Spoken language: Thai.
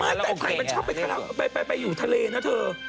มาม่แต่ใครมันชอบไปตลาดไปอยู่ทะเลน่ะเถอะ